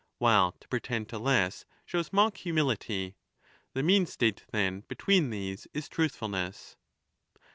1186^ MAGNA MORALIA while to pretend to less shows mock humility. The mean state, then, between these is truthfulness.